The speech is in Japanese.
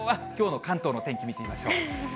きょうの関東の天気見てみましょう。